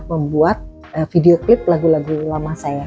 membuat video klip lagu lagu lama saya